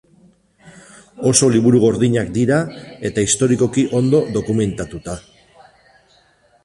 Oso liburu gordinak dira eta historikoki ondo dokumentatuta.